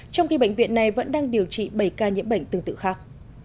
trong khi bệnh viện này vẫn đang điều trị bảy ca nhiễm bệnh tương tự khác